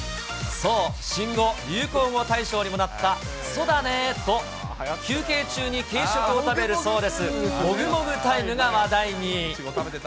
そう、新語・流行語大賞にもなったそだねーと、休憩中に軽食を食べる、そうです、もぐもぐタイムが話題に。